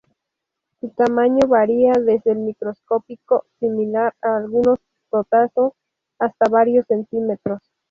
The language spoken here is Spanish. Su tamaño varía desde el microscópico, similar a algunos protozoos, hasta varios centímetros.